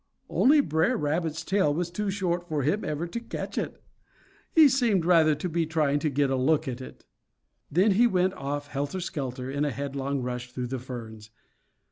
Only Br'er Rabbit's tail was too short for him ever to catch it; he seemed rather to be trying to get a good look at it. Then he went off helter skelter in a headlong rush through the ferns.